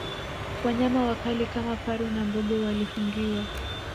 Wanyama wakali kama faru na mbogo walifungiwa